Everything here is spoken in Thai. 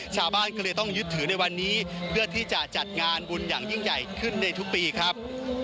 ชาวบ้านก็เลยต้องยึดถือในวันนี้เพื่อที่จะจัดงานบุญอย่างยิ่งใหญ่ขึ้นในทุกปีครับ